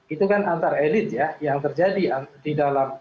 itu kan antara elite ya yang terjadi di dalam